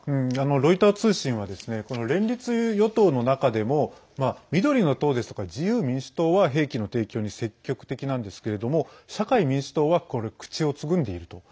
ロイター通信は連立与党の中でも緑の党ですとか自由民主党は兵器の提供に積極的なんですけれども社会民主党は口をつぐんでいると。